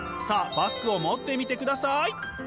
バッグを持ってみてください！